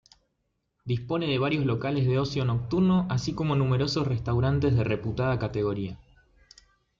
Dispone de varios locales de ocio nocturno así como numerosos restaurantes de reputada categoría.